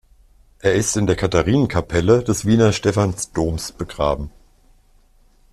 Er ist in der Katharinenkapelle des Wiener Stephansdoms begraben.